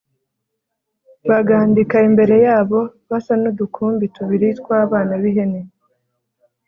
bagandika imbere yabo basa n’udukumbi tubiri tw’abana b’ihene